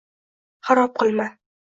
Xarob qilma.